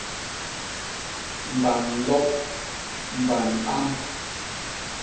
Mban lop, mban amb.